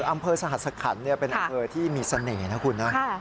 อำเภอสหัสขันเป็นอำเภอที่มีเสน่ห์นะคุณนะ